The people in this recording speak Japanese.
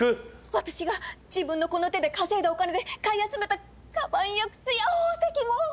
私が自分のこの手で稼いだお金で買い集めたかばんや靴や宝石も！